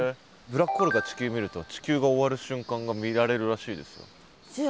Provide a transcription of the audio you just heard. ブラックホールから地球見ると地球が終わる瞬間が見られるらしいですよ。